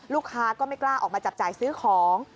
ลูกค้าก็ไม่กล้าออกมาจับจ่ายซื้อของ